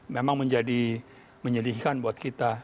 memang menjadi menyedihkan buat kita